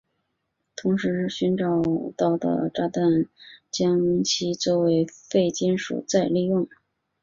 同时寻找到的炸弹将其作为废金属再利用。